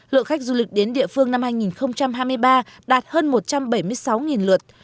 lượng khách du lịch đến địa phương năm hai nghìn hai mươi ba đạt hơn một trăm bảy mươi sáu lượt